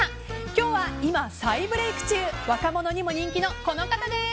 今日は今、再ブレーク中若者にも人気のこの方です！